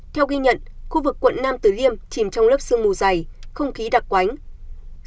theo ghi nhận khu vực quận nam tử liêm chìm trong lớp sương mù dày không khí đặc quánh